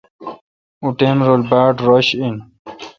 او ٹائم رل باڑ رش این۔